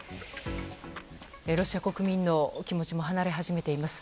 ロシア国民の気持ちも離れ始めています。